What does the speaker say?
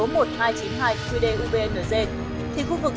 thì khu vực này nhẽ ra phải là nơi trồng cây ăn quả